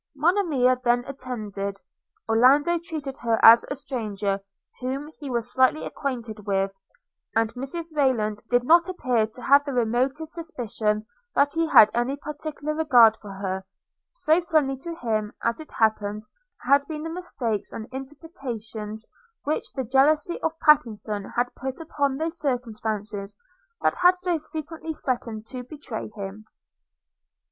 Monimia then attended. Orlando treated her as a stranger, whom he was slightly acquainted with; and Mrs Rayland did not appear to have the remotest suspicion that he had any particular regard for her: so friendly to him, as it happened, had been the mistakes and interpretations which the jealousy of Pattenson had put upon those circumstances that had so frequently threatened to betray him.